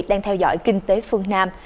đang theo dõi kinh tế phương nam